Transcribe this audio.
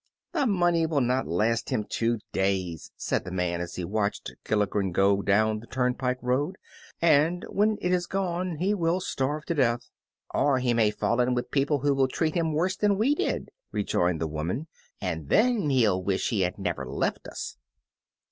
"The money will not last him two days," said the man, as he watched Gilligren go down the turnpike road, "and when it is gone he will starve to death." "Or he may fall in with people who will treat him worse than we did," rejoined the woman, "and then he'll wish he had never left us."